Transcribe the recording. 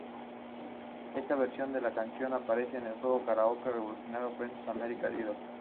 Esta versión de la canción aparece en el juego "Karaoke Revolution Presents: American Idol".